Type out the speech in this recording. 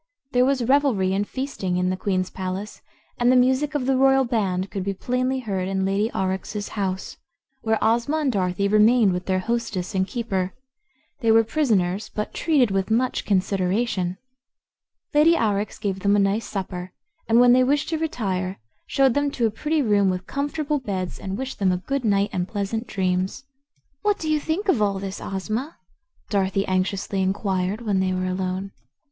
There was revelry and feasting in the Queen's palace, and the music of the royal band could be plainly heard in Lady Aurex's house, where Ozma and Dorothy remained with their hostess and keeper. They were prisoners, but treated with much consideration. Lady Aurex gave them a nice supper and when they wished to retire showed them to a pretty room with comfortable beds and wished them a good night and pleasant dreams. "What do you think of all this, Ozma?" Dorothy anxiously inquired when they were alone.